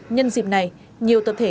nhân dịp này nhiều tập thể